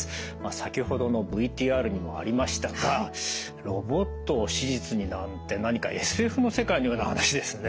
先ほどのＶＴＲにもありましたがロボットを手術になんて何かＳＦの世界のような話ですね。